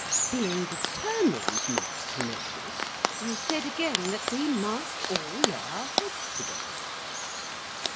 Being determined not to notice, I said again, that we must all lay our heads together.